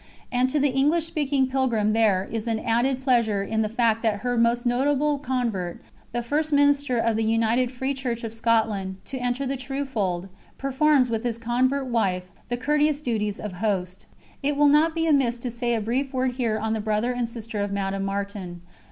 And to the English speaking pilgrim there is an added pleasure in the fact that her most notable convert, the first minister of the United Free Church of Scotland to enter the True Fold, performs, with his convert wife, the courteous duties of host. It will not be amiss to say a brief word here on the brother and sister of Madame Martin.